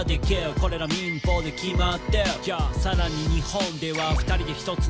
「これら民法で決まってる」「ＹＯさらに日本では２人で１つの戸籍に入って」